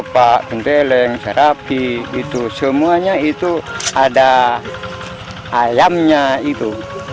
pendeling serapi itu semuanya itu ada ayamnya itu